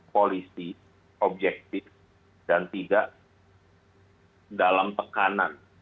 polisi objektif dan tidak dalam tekanan